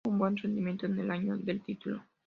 Tuvo un buen rendimiento en el año del título.